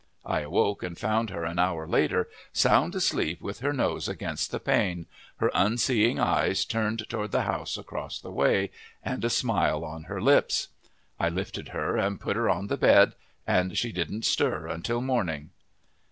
I awoke and found her an hour later, sound asleep with her nose against the pane, her unseeing eyes turned toward the house across the way, and a smile on her lips. I lifted her and put her on the bed and she didn't stir until morning.